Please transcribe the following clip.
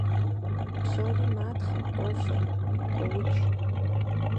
Псори матхъэ, къофэ, къуоудж…